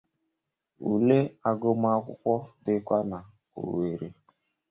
Ule agumakwụkwọ di kwa na Owẹrrẹ.